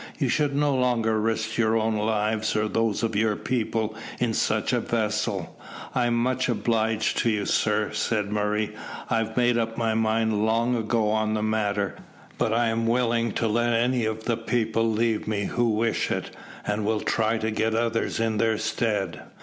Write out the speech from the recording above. You should no longer risk your own lives or those of your people in such a vessel." "I am much obliged to you, sir," said Murray. "I've made up my mind long ago on the matter, but I am willing to let any of the people leave me who wish it, and will try to get others in their stead."